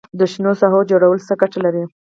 د شنو ساحو جوړول څه ګټه لري؟